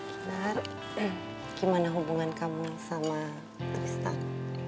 benar gimana hubungan kamu sama tristan